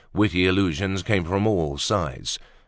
Witty allusions came from all sides.